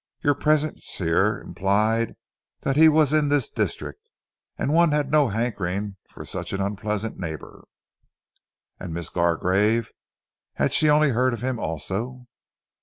Your presence here implied that he was in this district, and one had no hankering for such an unpleasant neighbour." "And Miss Gargrave, had she only heard of him also?"